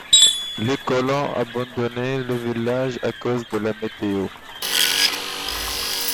Les colons abandonné le village à cause de la météo.